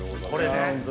これね！